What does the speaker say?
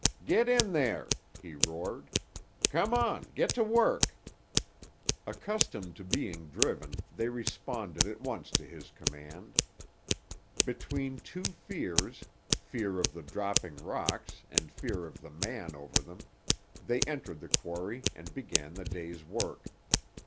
"Get in there!" he roared. "Come on; get to work!" Accustomed to being driven, they responded at once to his command. Between two fears, fear of the dropping rocks and fear of the man over them, they entered the quarry and began the day's work.